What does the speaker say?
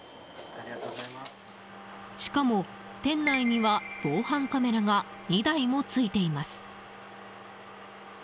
しかも、店内には防犯カメラが２台もついています。